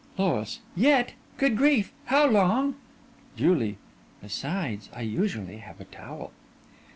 LOIS: Yet! Good grief! How long JULIE: Besides, I usually have a towel.